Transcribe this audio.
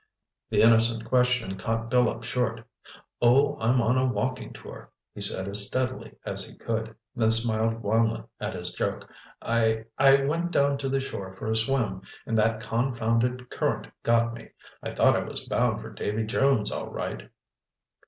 The innocent question caught Bill up short. "Oh, I'm on a walking tour," he said as steadily as he could, then smiled wanly at his joke. "I—I went down to the shore for a swim and that confounded current got me. I thought I was bound for Davy Jones, all right!"